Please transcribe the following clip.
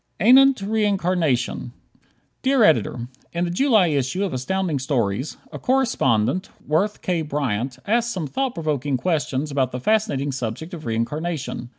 Anent Reincarnation. Dear Editor: In the July issue of Astounding Stories, a correspondent, Worth K. Bryant, asks some thought provoking questions about the fascinating subject of reincarnation.